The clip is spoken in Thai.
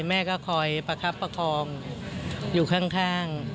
แม่ก็คอยประคับประคองอยู่ข้าง